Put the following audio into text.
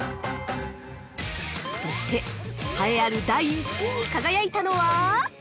そして、栄えある第一位に輝いたのは？